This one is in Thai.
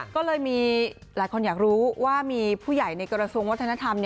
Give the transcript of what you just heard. ก็เลยมีหลายคนอยากรู้ว่ามีผู้ใหญ่ในกระทรวงวัฒนธรรม